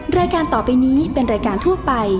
แม่บ้านประจันบาน